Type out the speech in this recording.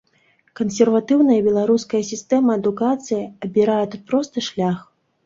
Кансерватыўная беларуская сістэма адукацыі абірае тут просты шлях.